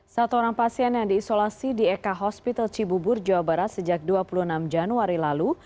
satu orang pasien yang diisolasi di ek hospital cibubur jawa barat sejak dua puluh enam januari lalu